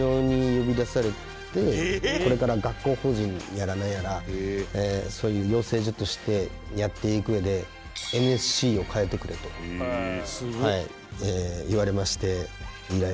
これから学校法人やらなんやらそういう養成所としてやっていく上でＮＳＣを変えてくれと言われまして。